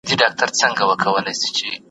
حضوري ټولګي زده کوونکي په ټولګي کي فعال ساتل.